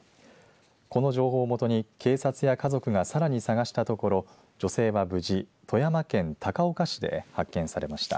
この情報を基に警察や家族がさらに捜したところ女性は無事富山県高岡市で発見されました。